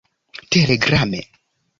telegrame